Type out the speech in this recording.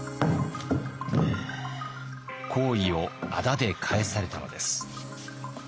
好意をあだで返されたのです。